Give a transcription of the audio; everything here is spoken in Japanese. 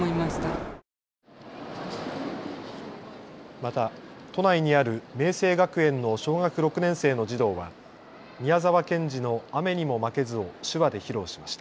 また都内にある明晴学園の小学６年生の児童は宮沢賢治の雨ニモマケズを手話で披露しました。